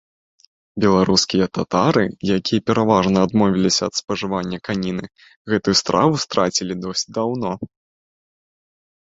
Беларускія татары, якія пераважна адмовіліся ад спажывання каніны, гэтую страву страцілі досыць даўно.